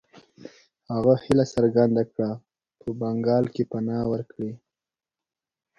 هغه هیله څرګنده کړه په بنګال کې پناه ورکړي.